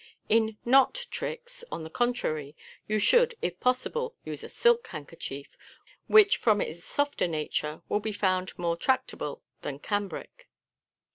In " knot *' tricks, on the contrary, you should, if possible, use a silk handkerchief, which, from its softer nature, will be found more tractable than cambric.